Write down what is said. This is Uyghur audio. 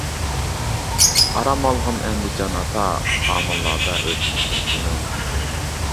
ئارام ئالغىن ئەمدى جان ئاتا، خامانلاردا ئۆتمىسۇن كۈنۈڭ.